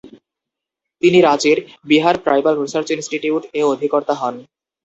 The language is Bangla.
তিনি রাঁচির 'বিহার ট্রাইবাল রিসার্চ ইনস্টিটিউট'-এ অধিকর্তা হন।